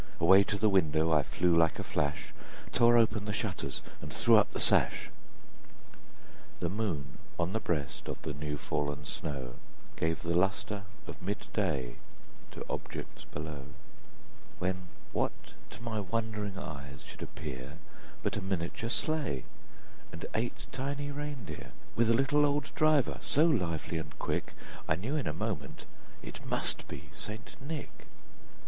Away to the window I flew like a flash, Tore open the shutters and threw up the sash. The moon on the breast of the new fallen snow Gave the lustre of mid day to objects below, When, what to my wondering eyes should appear, But a miniature sleigh, and eight tiny reindeer, With a little old driver, so lively and quick, I knew in a moment it must be St. Nick.